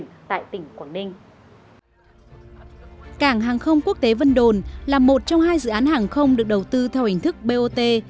một trong hai dự án hàng không được đầu tư theo hình thức bot